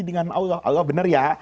dengan allah allah benar ya